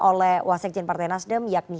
oleh wak sekjen partai nasdem yakni